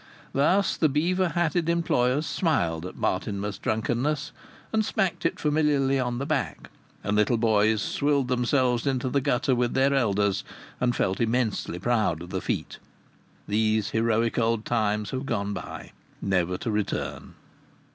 Thus the beaver hatted employers smiled at Martinmas drunkenness, and smacked it familiarly on the back; and little boys swilled themselves into the gutter with their elders, and felt intensely proud of the feat. These heroic old times have gone by, never to return.